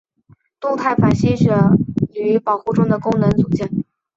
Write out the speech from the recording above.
动态反吸血驴保护中的功能组件。